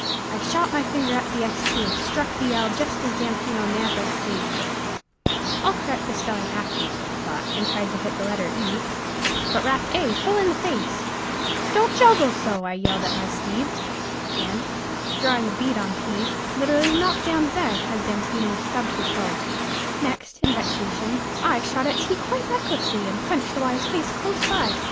I shot my finger at the S key and struck the L just as Damfino nabbed at a sage bush. I'll correct the spelling afterward I thought, and tried to hit the letter E, but rapped A full in the face. "Don't joggle so!" I yelled at my steed, and, drawing a bead on P, literally knocked down Z, as Damfino stubbed her toe. Next, in vexation, I shot at T quite recklessly, and punched Y's face close by.